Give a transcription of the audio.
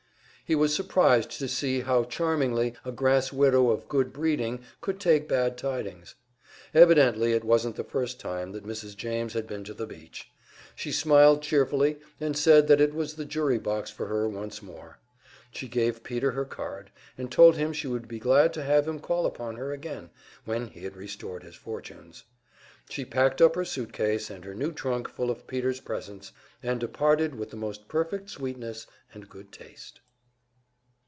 He was surprised to see how charmingly a grass widow of "good breeding" could take bad tidings. Evidently it wasn't the first time that Mrs. James had been to the beach. She smiled cheerfully, and said that it was the jury box for her once more. She gave Peter her card, and told him she would be glad to have him call upon her again when he had restored his fortunes. She packed up her suit case and her new trunk full of Peter's presents, and departed with the most perfect sweetness and good taste.